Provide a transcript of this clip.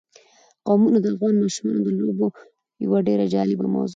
قومونه د افغان ماشومانو د لوبو یوه ډېره جالبه موضوع ده.